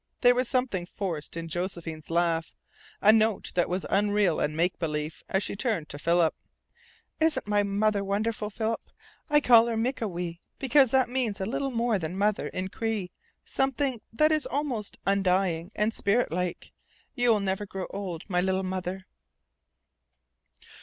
There was something forced in Josephine's laugh, a note that was unreal and make believe, as she turned to Philip. "Isn't my mother wonderful, Philip? I call her Mikawe because that means a little more than Mother in Cree something that is almost undying and spirit like. You will never grow old, my little mother!"